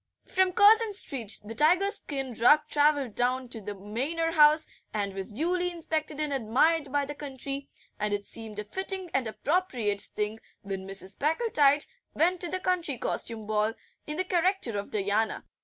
From Curzon Street the tiger skin rug travelled down to the Manor House, and was duly inspected and admired by the county, and it seemed a fitting and appropriate thing when Mrs. Packletide went to the County Costume Ball in the character of Diana.